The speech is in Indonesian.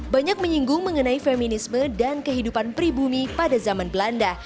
banyak menyinggung mengenai feminisme dan kehidupan pribumi pada zaman belanda